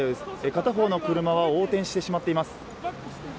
片方の車は横転してしまっています。